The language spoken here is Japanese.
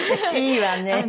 いいわね。